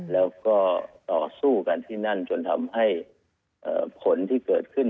แล้วก็ต่อสู้กันที่นั่นจนทำให้ผลที่เกิดขึ้น